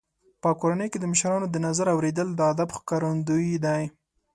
په کورنۍ کې د مشرانو د نظر اورېدل د ادب ښکارندوی دی.